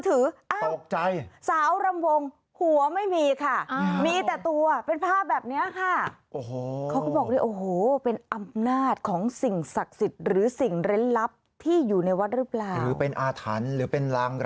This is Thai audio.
เอามาดูในมือถือ